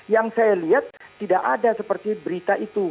yang saya lihat tidak ada seperti berita itu